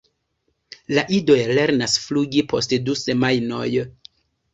La idoj lernas flugi post du semajnoj.